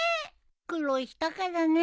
苦労したからね。